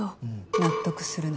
納得するな。